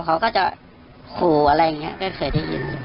เขาก็จะขู่อะไรอย่างนี้ก็เคยได้ยิน